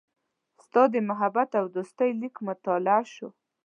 ستا د محبت او دوستۍ لیک مطالعه شو.